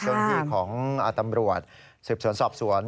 โชคที่ของตำรวจสืบสวนสอบสวน